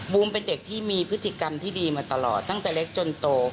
เป็นเด็กที่มีพฤติกรรมที่ดีมาตลอดตั้งแต่เล็กจนโต